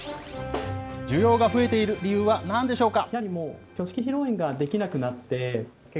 需要が増えている理由はなんでしょうか。